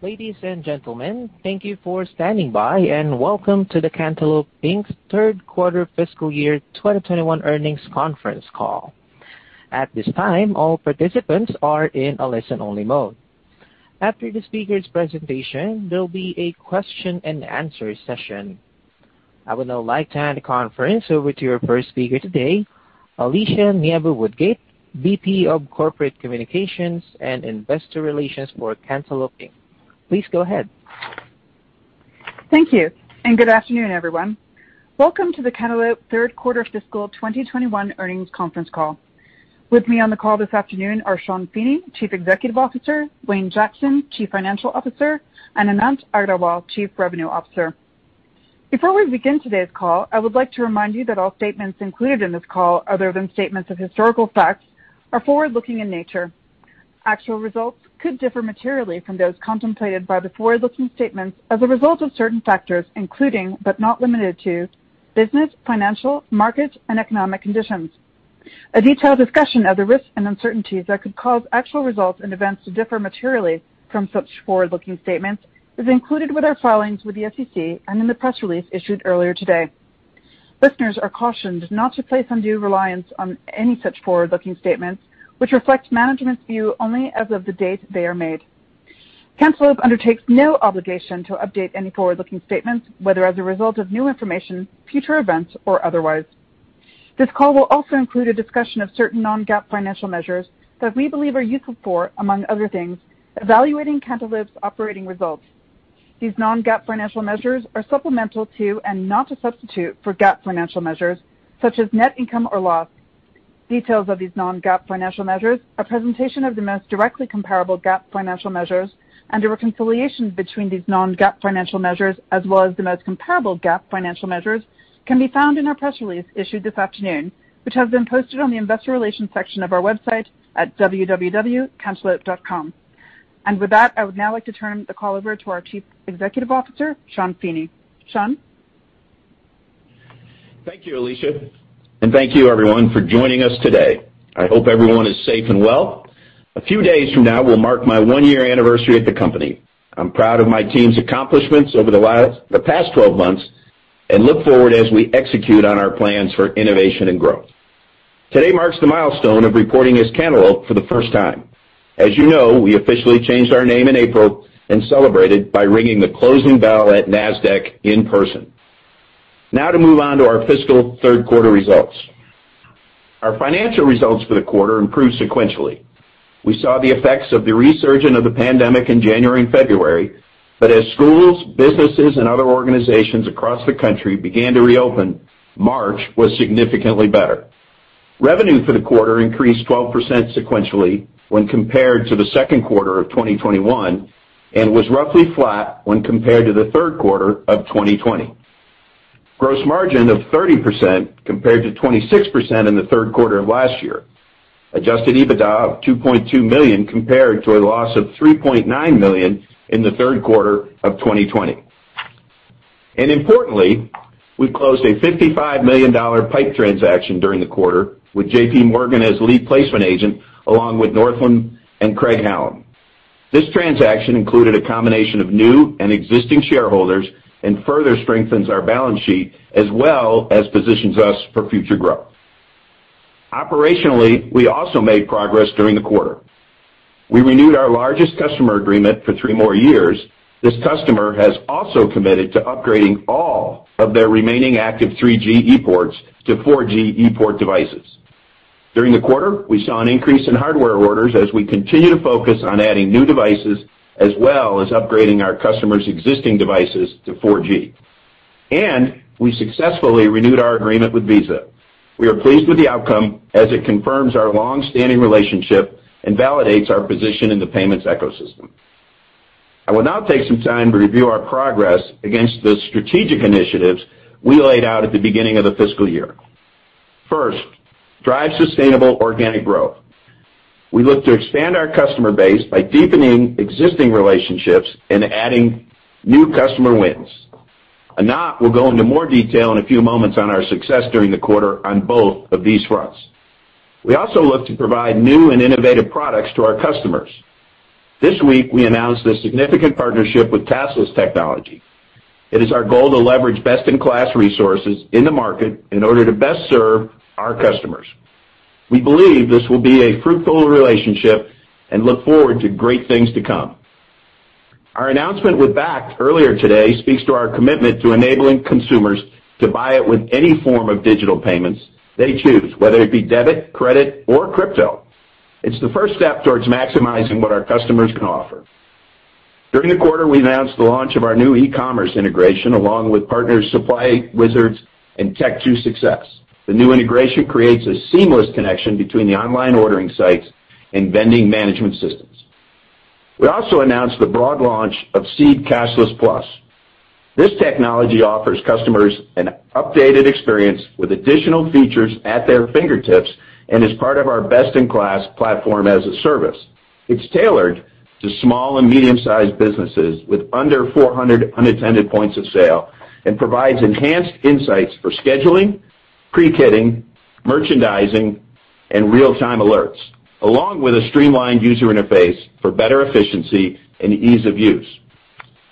Ladies and gentlemen, thank you for standing by, and welcome to the Cantaloupe Inc.'s third quarter fiscal year 2021 earnings conference call. At this time, all participants are in a listen-only mode. After the speaker's presentation, there'll be a question and answer session. I would now like to hand the conference over to your first speaker today, Alicia Nieva-Woodgate, VP of Corporate Communications and Investor Relations for Cantaloupe Inc. Please go ahead. Thank you. Good afternoon, everyone. Welcome to the Cantaloupe third quarter fiscal 2021 earnings conference call. With me on the call this afternoon are Sean Feeney, Chief Executive Officer, Wayne Jackson, Chief Financial Officer, and Anant Agrawal, Chief Revenue Officer. Before we begin today's call, I would like to remind you that all statements included in this call, other than statements of historical facts, are forward-looking in nature. Actual results could differ materially from those contemplated by the forward-looking statements as a result of certain factors, including, but not limited to, business, financial, market, and economic conditions. A detailed discussion of the risks and uncertainties that could cause actual results and events to differ materially from such forward-looking statements is included with our filings with the SEC and in the press release issued earlier today. Listeners are cautioned not to place undue reliance on any such forward-looking statements, which reflect management's view only as of the date they are made. Cantaloupe undertakes no obligation to update any forward-looking statements, whether as a result of new information, future events, or otherwise. This call will also include a discussion of certain non-GAAP financial measures that we believe are useful for, among other things, evaluating Cantaloupe's operating results. These non-GAAP financial measures are supplemental to and not a substitute for GAAP financial measures such as net income or loss. Details of these non-GAAP financial measures, a presentation of the most directly comparable GAAP financial measures, and a reconciliation between these non-GAAP financial measures as well as the most comparable GAAP financial measures can be found in our press release issued this afternoon, which has been posted on the investor relations section of our website at www.cantaloupe.com. I would now like to turn the call over to our Chief Executive Officer, Sean Feeney. Sean? Thank you, Alicia, and thank you everyone for joining us today. I hope everyone is safe and well. A few days from now will mark my one-year anniversary at the company. I'm proud of my team's accomplishments over the past 12 months, and look forward as we execute on our plans for innovation and growth. Today marks the milestone of reporting as Cantaloupe for the first time. As you know, we officially changed our name in April and celebrated by ringing the closing bell at Nasdaq in person. Now to move on to our fiscal third quarter results. Our financial results for the quarter improved sequentially. We saw the effects of the resurgence of the pandemic in January and February, but as schools, businesses, and other organizations across the country began to reopen, March was significantly better. Revenue for the quarter increased 12% sequentially when compared to the second quarter of 2021, and was roughly flat when compared to the third quarter of 2020. Gross margin of 30% compared to 26% in the third quarter of last year. Adjusted EBITDA of $2.2 million compared to a loss of $3.9 million in the third quarter of 2020. Importantly, we closed a $55 million PIPE transaction during the quarter with JPMorgan as lead placement agent, along with Northland and Craig-Hallum. This transaction included a combination of new and existing shareholders and further strengthens our balance sheet as well as positions us for future growth. Operationally, we also made progress during the quarter. We renewed our largest customer agreement for three more years. This customer has also committed to upgrading all of their remaining active 3G ePorts to 4G ePort devices. During the quarter, we saw an increase in hardware orders as we continue to focus on adding new devices, as well as upgrading our customers' existing devices to 4G. We successfully renewed our agreement with Visa. We are pleased with the outcome as it confirms our long-standing relationship and validates our position in the payments ecosystem. I will now take some time to review our progress against the strategic initiatives we laid out at the beginning of the fiscal year. First, drive sustainable organic growth. We look to expand our customer base by deepening existing relationships and adding new customer wins. Anant will go into more detail in a few moments on our success during the quarter on both of these fronts. We also look to provide new and innovative products to our customers. This week, we announced a significant partnership with Castles Technology. It is our goal to leverage best-in-class resources in the market in order to best serve our customers. We believe this will be a fruitful relationship and look forward to great things to come. Our announcement with Bakkt earlier today speaks to our commitment to enabling consumers to buy it with any form of digital payments they choose, whether it be debit, credit, or crypto. It's the first step towards maximizing what our customers can offer. During the quarter, we announced the launch of our new e-commerce integration along with partners Supply Wizards and Tech 2 Success. The new integration creates a seamless connection between the online ordering sites and vending management systems. We also announced the broad launch of Seed Cashless+. This technology offers customers an updated experience with additional features at their fingertips and is part of our best-in-class platform as a service. It's tailored to small and medium-sized businesses with under 400 unattended points of sale and provides enhanced insights for scheduling, pre-kitting, merchandising and real-time alerts, along with a streamlined user interface for better efficiency and ease of use.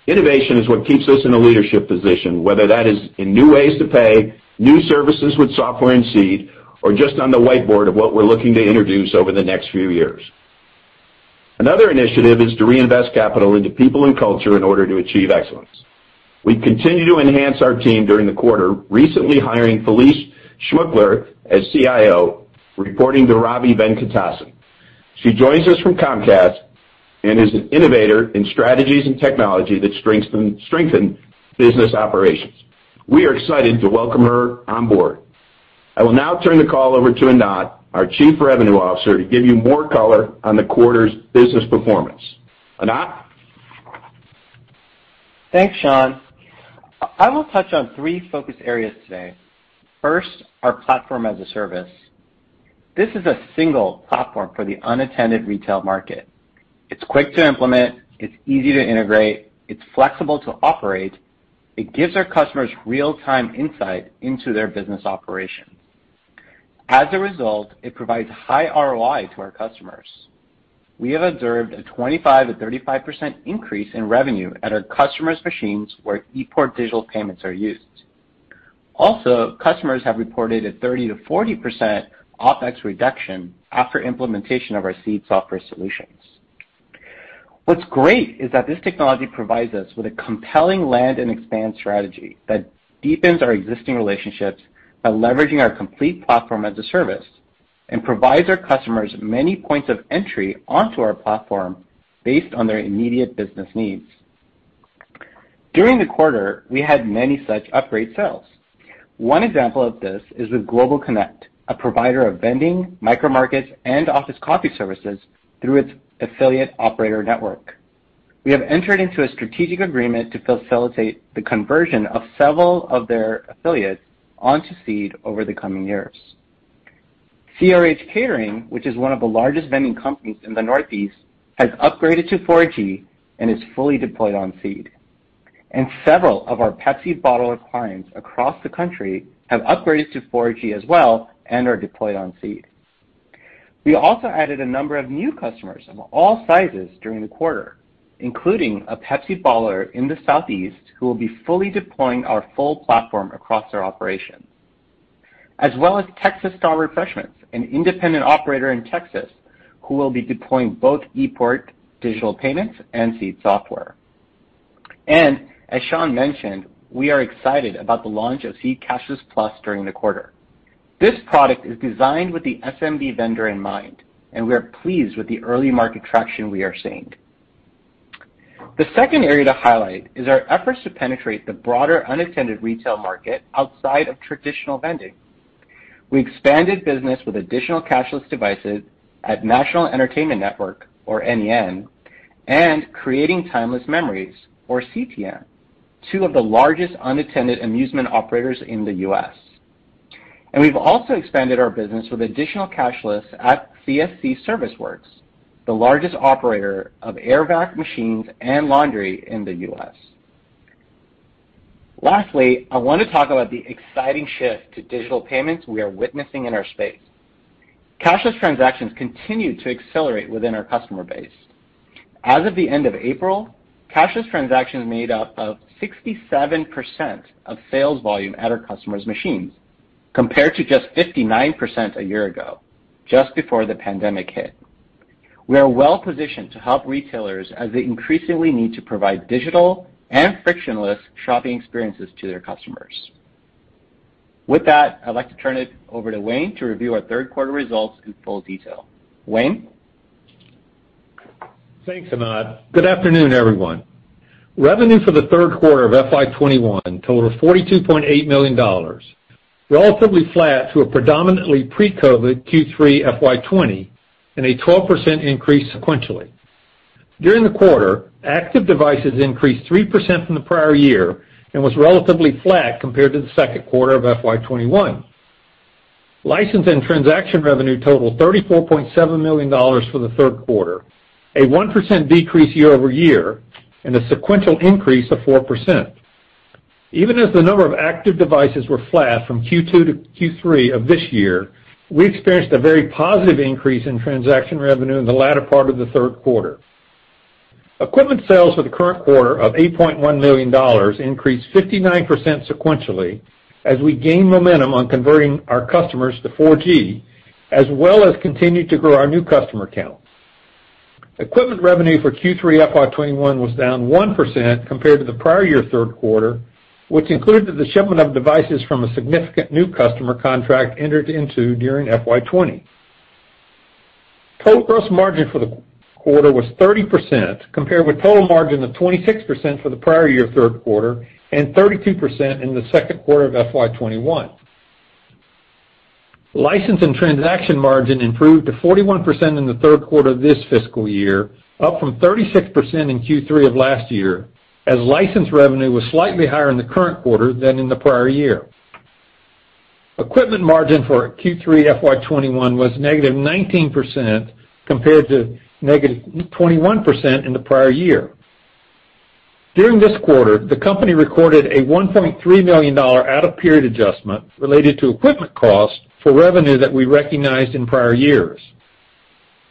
Innovation is what keeps us in a leadership position, whether that is in new ways to pay, new services with software and Seed, or just on the whiteboard of what we're looking to introduce over the next few years. Another initiative is to reinvest capital into people and culture in order to achieve excellence. We continue to enhance our team during the quarter, recently hiring Felice Schmuckler as CIO, reporting to Ravi Venkatesan. She joins us from Comcast and is an innovator in strategies and technology that strengthen business operations. We are excited to welcome her on board. I will now turn the call over to Anant Agrawal, our Chief Revenue Officer, to give you more color on the quarter's business performance. Anant? Thanks, Sean. I will touch on three focus areas today. First, our Platform as a Service. This is a single platform for the unattended retail market. It's quick to implement. It's easy to integrate. It's flexible to operate. It gives our customers real-time insight into their business operations. It provides high ROI to our customers. We have observed a 25%-35% increase in revenue at our customers' machines where ePort digital payments are used. Customers have reported a 30%-40% OpEx reduction after implementation of our Seed software solutions. What's great is that this technology provides us with a compelling land and expand strategy that deepens our existing relationships by leveraging our complete Platform as a Service, and provides our customers many points of entry onto our platform based on their immediate business needs. During the quarter, we had many such upgrade sales. One example of this is with GlobalConnect, a provider of vending, micro markets, and office coffee services through its affiliate operator network. We have entered into a strategic agreement to facilitate the conversion of several of their affiliates onto Seed over the coming years. CRH Catering, which is one of the largest vending companies in the Northeast, has upgraded to 4G and is fully deployed on Seed. Several of our Pepsi Bottler clients across the country have upgraded to 4G as well and are deployed on Seed. We also added a number of new customers of all sizes during the quarter, including a Pepsi bottler in the Southeast, who will be fully deploying our full platform across their operations, as well as Texas Star Refreshments, an independent operator in Texas, who will be deploying both ePort digital payments and Seed software. As Sean mentioned, we are excited about the launch of Seed Cashless+ during the quarter. This product is designed with the SMB vendor in mind, and we are pleased with the early market traction we are seeing. The second area to highlight is our efforts to penetrate the broader unattended retail market outside of traditional vending. We expanded business with additional cashless devices at National Entertainment Network, or NEN, and Creating Timeless Memories, or CTM, two of the largest unattended amusement operators in the U.S. We've also expanded our business with additional cashless at CSC ServiceWorks, the largest operator of AIR-serv machines and laundry in the U.S. Lastly, I want to talk about the exciting shift to digital payments we are witnessing in our space. Cashless transactions continue to accelerate within our customer base. As of the end of April, cashless transactions made up of 67% of sales volume at our customers' machines, compared to just 59% a year ago, just before the pandemic hit. We are well-positioned to help retailers as they increasingly need to provide digital and frictionless shopping experiences to their customers. With that, I'd like to turn it over to Wayne to review our third quarter results in full detail. Wayne? Thanks, Anant. Good afternoon, everyone. Revenue for the third quarter of FY 2021 totaled $42.8 million, relatively flat to a predominantly pre-COVID Q3 FY 2020, and a 12% increase sequentially. During the quarter, active devices increased 3% from the prior year and was relatively flat compared to the second quarter of FY 2021. License and transaction revenue totaled $34.7 million for the third quarter, a 1% decrease year-over-year, and a sequential increase of 4%. Even as the number of active devices were flat from Q2 to Q3 of this year, we experienced a very positive increase in transaction revenue in the latter part of the third quarter. Equipment sales for the current quarter of $8.1 million increased 59% sequentially as we gain momentum on converting our customers to 4G, as well as continued to grow our new customer counts. Equipment revenue for Q3 FY 2021 was down 1% compared to the prior year third quarter, which included the shipment of devices from a significant new customer contract entered into during FY 2020. Total gross margin for the quarter was 30%, compared with total margin of 26% for the prior year third quarter and 32% in the second quarter of FY 2021. License and transaction margin improved to 41% in the third quarter of this fiscal year, up from 36% in Q3 of last year, as license revenue was slightly higher in the current quarter than in the prior year. Equipment margin for Q3 FY 2021 was negative 19%, compared to negative 21% in the prior year. During this quarter, the company recorded a $1.3 million out-of-period adjustment related to equipment costs for revenue that we recognized in prior years.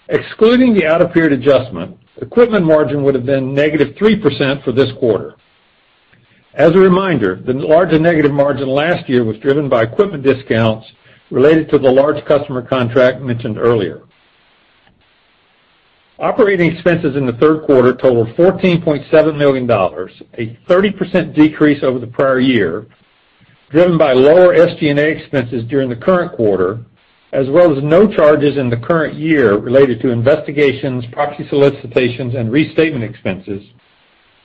Excluding the out-of-period adjustment, equipment margin would have been negative 3% for this quarter. As a reminder, the larger negative margin last year was driven by equipment discounts related to the large customer contract mentioned earlier. Operating expenses in the third quarter totaled $14.7 million, a 30% decrease over the prior year, driven by lower SG&A expenses during the current quarter, as well as no charges in the current year related to investigations, proxy solicitations, and restatement expenses,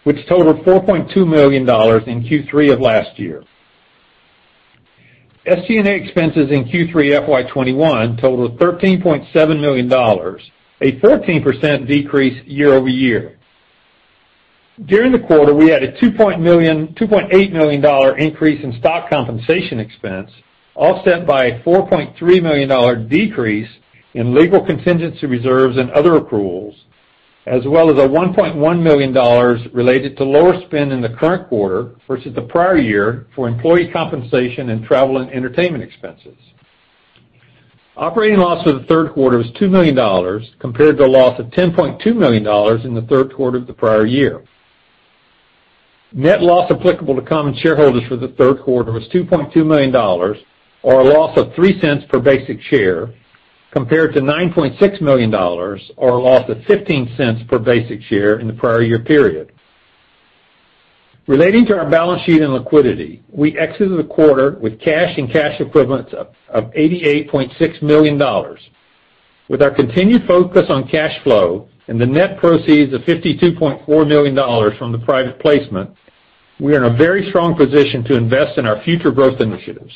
which totaled $4.2 million in Q3 of last year. SG&A expenses in Q3 FY 2021 totaled $13.7 million, a 14% decrease year-over-year. During the quarter, we had a $2.8 million increase in stock compensation expense, offset by a $4.3 million decrease in legal contingency reserves and other accruals, as well as a $1.1 million related to lower spend in the current quarter versus the prior year for employee compensation and travel and entertainment expenses. Operating loss for the third quarter was $2 million compared to a loss of $10.2 million in the third quarter of the prior year. Net loss applicable to common shareholders for the third quarter was $2.2 million, or a loss of $0.03 per basic share, compared to $9.6 million, or a loss of $0.15 per basic share in the prior year period. Relating to our balance sheet and liquidity, we exited the quarter with cash and cash equivalents of $88.6 million. With our continued focus on cash flow and the net proceeds of $52.4 million from the private placement, we are in a very strong position to invest in our future growth initiatives.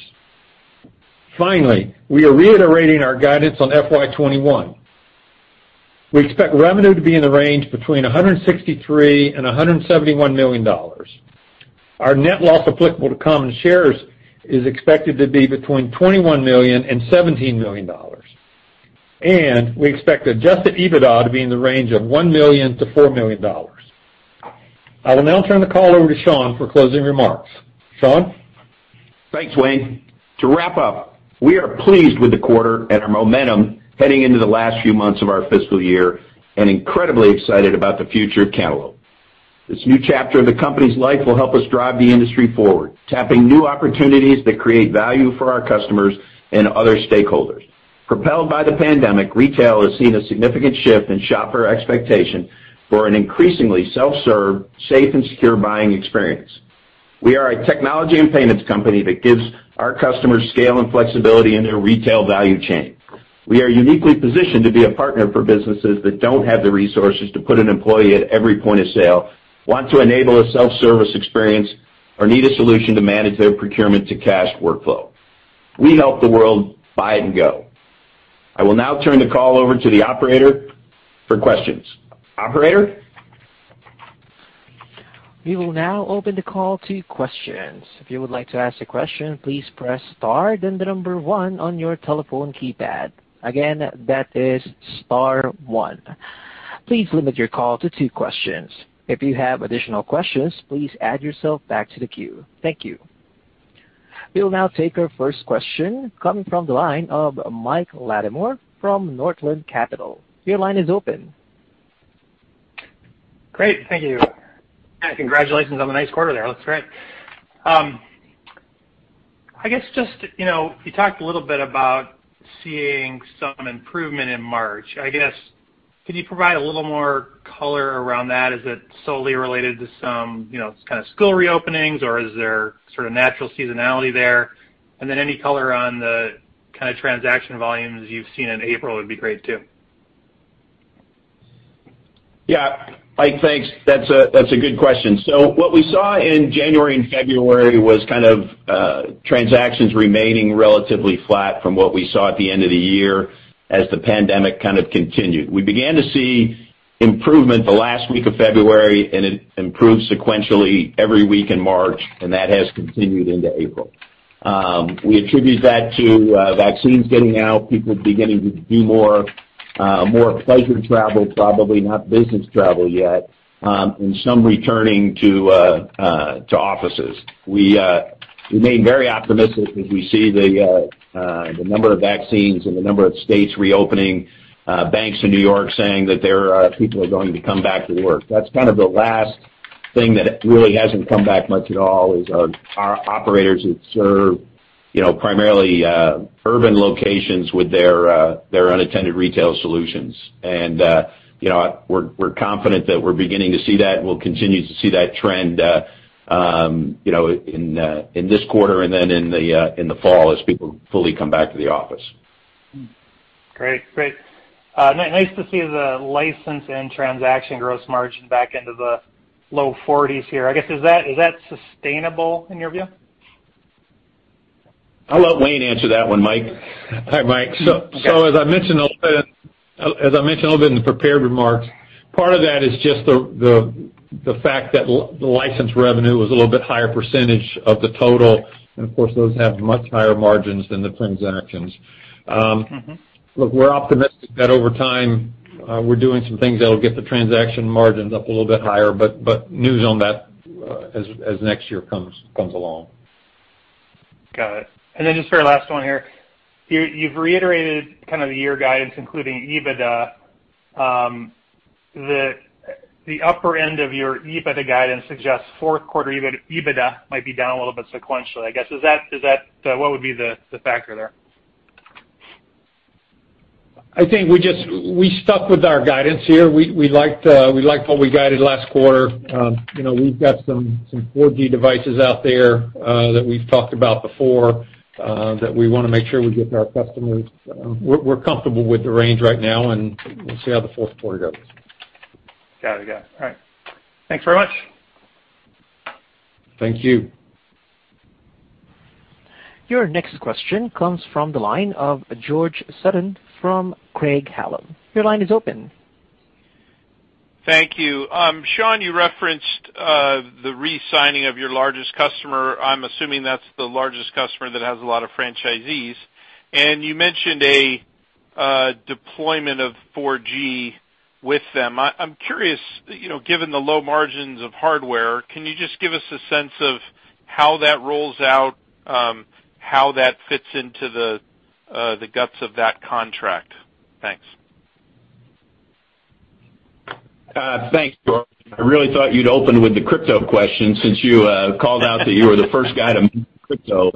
Finally, we are reiterating our guidance on FY 2021. We expect revenue to be in the range between $163 million and $171 million. Our net loss applicable to common shares is expected to be between $21 million and $17 million, and we expect Adjusted EBITDA to be in the range of $1 million-$4 million. I will now turn the call over to Sean for closing remarks. Sean? Thanks, Wayne. To wrap up, we are pleased with the quarter and our momentum heading into the last few months of our fiscal year, incredibly excited about the future of Cantaloupe. This new chapter of the company's life will help us drive the industry forward, tapping new opportunities that create value for our customers and other stakeholders. Propelled by the pandemic, retail has seen a significant shift in shopper expectation for an increasingly self-serve, safe, and secure buying experience. We are a technology and payments company that gives our customers scale and flexibility in their retail value chain. We are uniquely positioned to be a partner for businesses that don't have the resources to put an employee at every point of sale, want to enable a self-service experience, or need a solution to manage their procurement to cash workflow. We help the world buy and go. I will now turn the call over to the operator for questions. Operator? We will now open the call to questions. If you would like to ask a question, please press star then the number one on your telephone keypad. Again, that is star one. Please limit your call to two questions. If you have additional questions, please add yourself back to the queue. Thank you. We will now take our first question coming from the line of Mike Latimore from Northland Capital. Your line is open. Great. Thank you. Congratulations on the nice quarter there. It looks great. I guess just, you talked a little bit about seeing some improvement in March. I guess, could you provide a little more color around that? Is it solely related to some kind of school reopenings, or is there sort of natural seasonality there? Any color on the kind of transaction volumes you've seen in April would be great, too. Mike, thanks. That's a good question. What we saw in January and February was kind of transactions remaining relatively flat from what we saw at the end of the year as the pandemic kind of continued. We began to see improvement the last week of February, and it improved sequentially every week in March, and that has continued into April. We attribute that to vaccines getting out, people beginning to do more pleasure travel, probably not business travel yet, and some returning to offices. We remain very optimistic as we see the number of vaccines and the number of states reopening, banks in New York saying that their people are going to come back to work. That's kind of the last thing that really hasn't come back much at all is our operators that serve primarily urban locations with their unattended retail solutions. We're confident that we're beginning to see that, and we'll continue to see that trend in this quarter, and then in the fall as people fully come back to the office. Great. Nice to see the license and transaction gross margin back into the low 40s here. I guess, is that sustainable in your view? I'll let Wayne answer that one, Mike. Hi, Mike. As I mentioned a little bit in the prepared remarks, part of that is just the fact that the license revenue was a little bit higher percentage of the total. Of course, those have much higher margins than the transactions. Look, we're optimistic that over time, we're doing some things that'll get the transaction margins up a little bit higher, but news on that as next year comes along. Got it. Just for our last one here, you've reiterated the year guidance, including EBITDA. The upper end of your EBITDA guidance suggests fourth quarter EBITDA might be down a little bit sequentially, I guess. What would be the factor there? I think we stuck with our guidance here. We liked what we guided last quarter. We've got some 4G devices out there that we've talked about before, that we want to make sure we get to our customers. We're comfortable with the range right now, and we'll see how the fourth quarter goes. Got it. All right. Thanks very much. Thank you. Your next question comes from the line of George Sutton from Craig-Hallum. Thank you. Sean, you referenced the re-signing of your largest customer. I'm assuming that's the largest customer that has a lot of franchisees. You mentioned a deployment of 4G with them. I'm curious, given the low margins of hardware, can you just give us a sense of how that rolls out, how that fits into the guts of that contract? Thanks. Thanks, George. I really thought you'd open with the crypto question since you called out that you were the first guy to mention crypto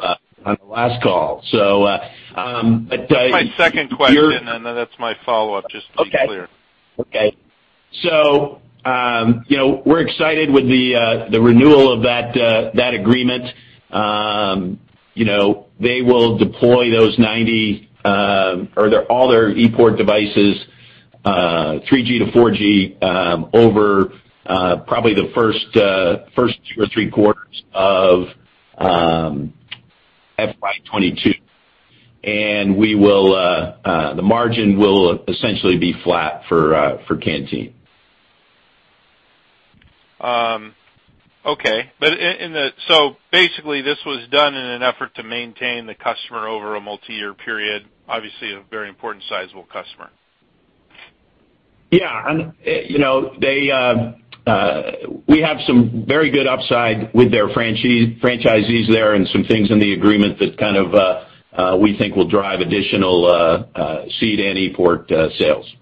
on the last call. That's my second question, and then that's my follow-up, just to be clear. We're excited with the renewal of that agreement. They will deploy all their ePort devices, 3G to 4G, over probably the first two or three quarters of FY 2022. The margin will essentially be flat for Canteen. Basically, this was done in an effort to maintain the customer over a multi-year period. Obviously, a very important sizable customer. Yeah. We have some very good upside with their franchisees there and some things in the agreement that we think will drive additional Seed and ePort sales.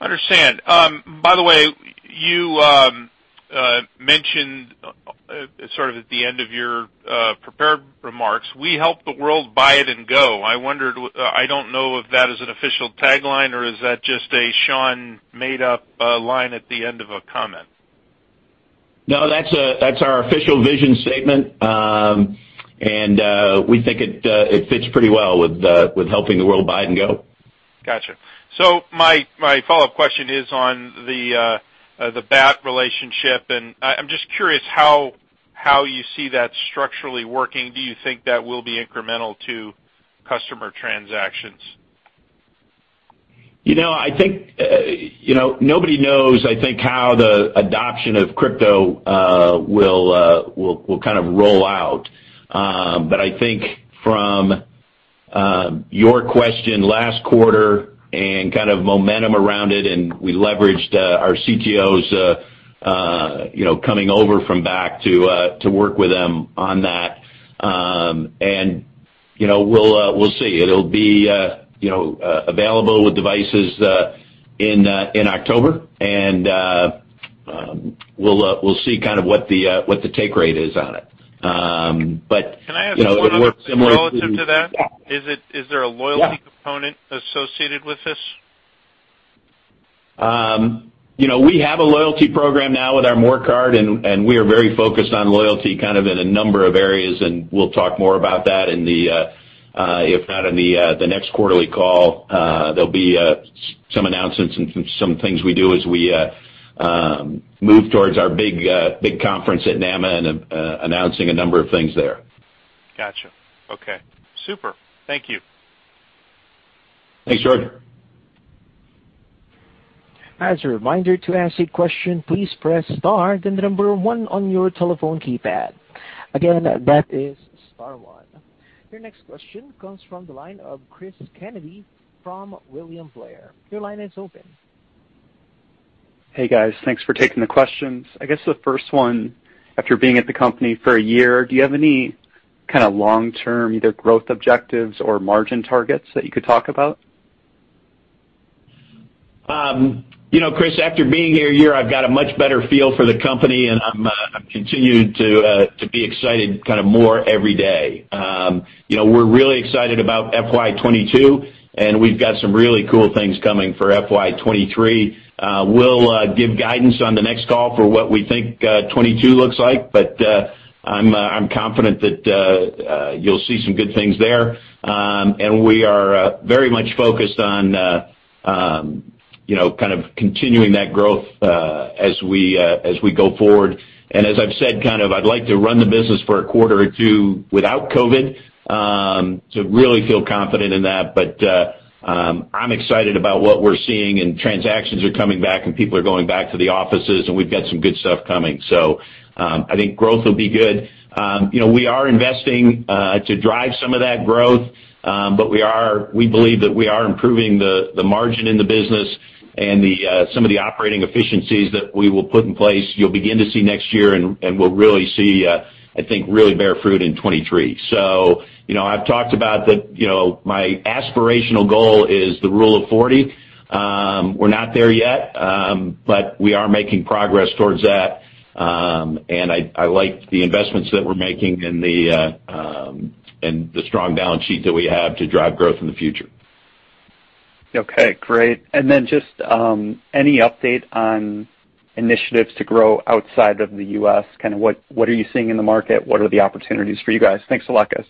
Understand. By the way, you mentioned, sort of at the end of your prepared remarks, "We help the world buy it and go." I don't know if that is an official tagline, or is that just a Sean made-up line at the end of a comment? No, that's our official vision statement. We think it fits pretty well with helping the world buy it and go. Got you. My follow-up question is on the Bakkt relationship, and I'm just curious how you see that structurally working. Do you think that will be incremental to customer transactions? Nobody knows, I think, how the adoption of crypto will kind of roll out. I think from your question last quarter and kind of momentum around it, and we leveraged our CTOs coming over from Bakkt to work with them on that. We'll see. It'll be available with devices in October, and we'll see what the take rate is on it. Can I ask one other thing relative to that? Yeah. Is there a loyalty component associated with this? We have a loyalty program now with our More Card, and we are very focused on loyalty kind of in a number of areas, and we'll talk more about that, if not in the next quarterly call, there'll be some announcements and some things we do as we move towards our big conference at NAMA and announcing a number of things there. Got you. Okay. Super. Thank you. Thanks, George. As a reminder, to ask a question please press star then the number one on your telephone keypad. Again, that is star one. Your next question comes from the line of Cris Kennedy from William Blair. Your line is open. Hey, guys. Thanks for taking the questions. I guess the first one, after being at the company for a year, do you have any kind of long-term, either growth objectives or margin targets that you could talk about? Cris, after being here a year, I've got a much better feel for the company. I'm continuing to be excited kind of more every day. We're really excited about FY 2022. We've got some really cool things coming for FY 2023. We'll give guidance on the next call for what we think 2022 looks like. I'm confident that you'll see some good things there. We are very much focused on kind of continuing that growth as we go forward. As I've said, I'd like to run the business for a quarter or two without COVID to really feel confident in that. I'm excited about what we're seeing. Transactions are coming back. People are going back to the offices. We've got some good stuff coming. I think growth will be good. We are investing to drive some of that growth, but we believe that we are improving the margin in the business and some of the operating efficiencies that we will put in place, you'll begin to see next year and will really see, I think, really bear fruit in 2023. I've talked about that my aspirational goal is the Rule of 40. We're not there yet, but we are making progress towards that. I like the investments that we're making and the strong balance sheet that we have to drive growth in the future. Okay, great. Just any update on initiatives to grow outside of the U.S., kind of what are you seeing in the market? What are the opportunities for you guys? Thanks a lot, guys.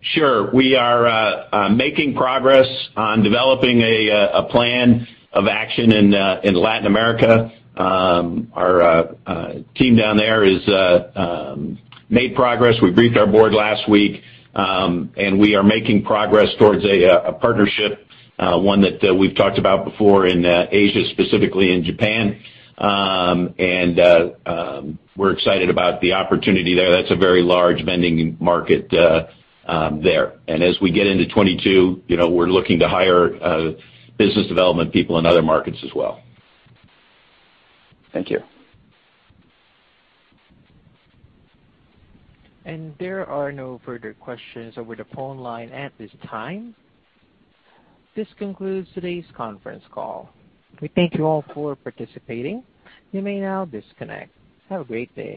Sure. We are making progress on developing a plan of action in Latin America. Our team down there has made progress. We briefed our board last week. We are making progress towards a partnership, one that we've talked about before in Asia, specifically in Japan. We're excited about the opportunity there. That's a very large vending market there. As we get into 2022, we're looking to hire business development people in other markets as well. Thank you. There are no further questions over the phone line at this time. This concludes today's conference call. We thank you all for participating. You may now disconnect. Have a great day.